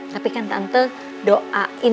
tapi kan tante doain